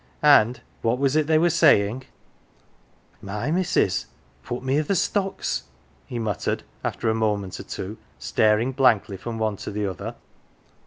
And what was it they were saying ?" My missus put me i' th 1 stocks !" he muttered after a moment or two, staring blankly from one to the other.